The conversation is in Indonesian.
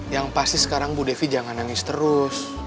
yang pasti sekarang bu devi jangan nangis terus